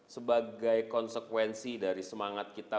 sebagai konsekuensi dari semangat kita